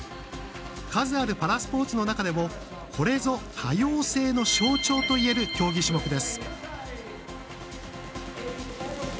数あるパラスポーツの中でもこれぞ多様性の象徴といえる競技種目です。